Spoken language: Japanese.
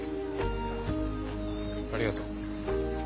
ありがとう。